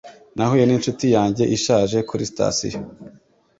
Nahuye ninshuti yanjye ishaje kuri sitasiyo.